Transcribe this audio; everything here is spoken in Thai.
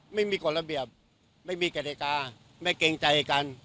ไม่มีกฎระเบียบไม่มีกฎิกาไม่เกรงใจกัน